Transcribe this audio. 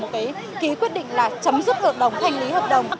ký quyết định là chấm dứt hợp đồng thanh lý hợp đồng